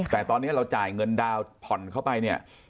แต่ตอนนี้เราจ่ายเงินดาวน์ผ่อนเข้าไปเนี่ย